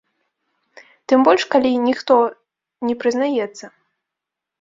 Тым больш калі ніхто не прызнаецца.